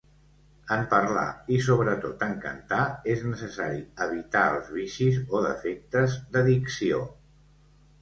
En parlar i sobretot en cantar, és necessari evitar els vicis o defectes de dicció.